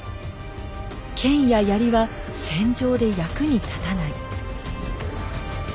剣や槍は戦場で役に立たない」。